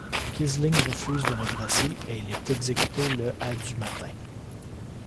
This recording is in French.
Quisling refuse de le gracier, et il est exécuté le à du matin.